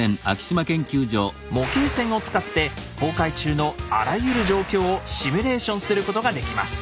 模型船を使って航海中のあらゆる状況をシミュレーションすることができます。